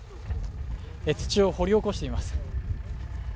土を掘り起こしています。